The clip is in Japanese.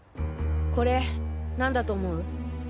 これなんだと思う？